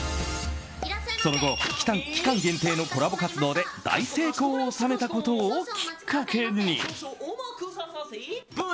その後、期間限定のコラボ活動で大成功を収めたことをきっかけに。